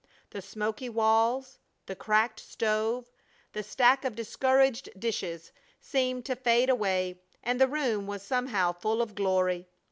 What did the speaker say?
The smoky walls, the cracked stove, the stack of discouraged dishes, seemed to fade away, and the room was somehow full of glory.